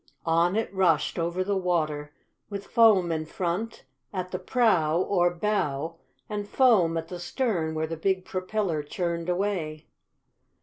On it rushed over the water, with foam in front, at the prow, or bow, and foam at the stern where the big propeller churned away.